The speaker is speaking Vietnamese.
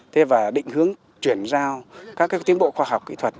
thế và định hướng chuyển giao các tiến bộ khoa học kỹ thuật